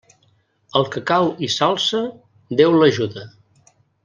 Al que cau i s'alça, Déu l'ajuda.